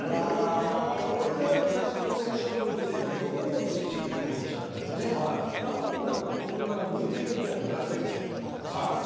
俺が昔のコレクションを見て妙にスティック持っちゃったりぬいぐるみみたいなのをぶら下げちゃったとか。